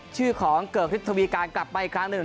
ชื่อของเกิกฤทธวีการกลับมาอีกครั้งหนึ่ง